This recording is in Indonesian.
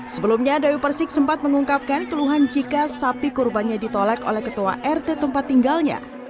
sebelumnya dewi persik sempat mengungkapkan keluhan jika sapi kurbannya ditolak oleh ketua rt tempat tinggalnya